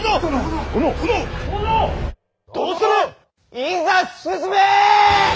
いざ進め！